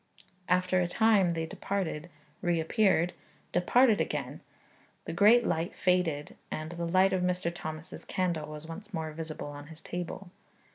After a time they departed; reappeared; departed again; the great light faded; and the light of Mr. Thomas's candle was once more visible on his table.